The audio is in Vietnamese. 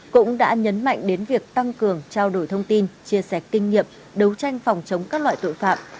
cũng đã nhấn mạnh đến việc tăng cường trao đổi thông tin chia sẻ kinh nghiệm đấu tranh phòng chống các loại tội phạm